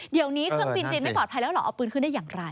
เดี๋ยวนี้เครื่องบินจีนไม่ปลอดภัยแล้วเหรอเอาปืนขึ้นได้อย่างไร